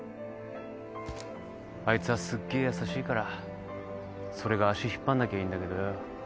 あいつはすっげえ優しいからそれが足引っ張んなきゃいいんだけどよ。